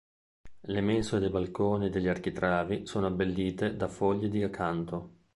Le mensole dei balconi e degli architravi sono abbellite da foglie di acanto.